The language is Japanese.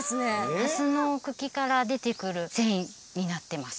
蓮の茎から出てくる繊維になってます